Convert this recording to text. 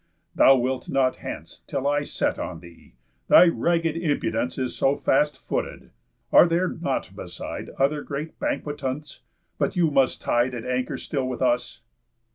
Thou wilt not hence Till I set on thee; thy ragg'd impudence Is so fast footed. Are there not beside Other great banquetants, but you must tide At anchor still with us?"